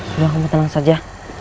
sudah kamu tenang saja